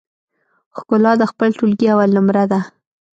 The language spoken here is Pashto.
ښکلا د خپل ټولګي اول نمره ده